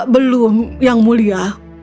belum yang mulia